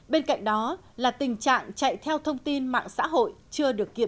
bên cạnh đó là tình trạng chạy theo thông tin mạng xã hội chưa được kịp